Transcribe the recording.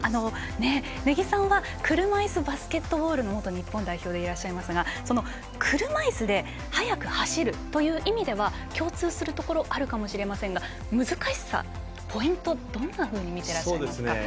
根木さんは車いすバスケットボールの元日本代表でいらっしゃいますが車いすで速く走るという意味では共通するところがあるかもしれませんが難しさ、ポイントどんなふうに見ていらっしゃいますか。